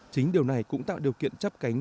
chính điều này cũng tạo điều kiện chấp cánh